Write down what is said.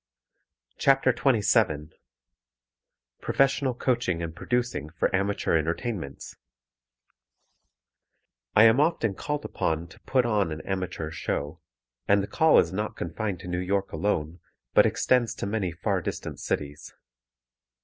[Illustration: NW] PROFESSIONAL COACHING AND PRODUCING FOR AMATEUR ENTERTAINMENTS I am often called upon to "put on" an amateur show, and the call is not confined to New York alone, but extends to many far distant cities.